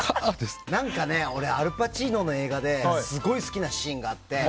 俺、アル・パチーノの映画ですごい好きなシーンがあって。